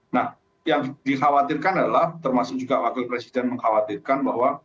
nah yang dikhawatirkan adalah termasuk juga wakil presiden mengkhawatirkan bahwa